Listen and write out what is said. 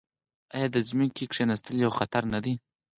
آیا د ځمکې کیناستل یو خطر نه دی؟